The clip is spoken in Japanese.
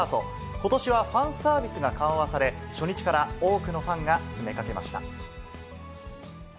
ことしはファンサービスが緩和され、初日から多くのファンが詰めかけました。